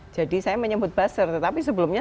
jadi saya menyebut buzzer tapi sebelumnya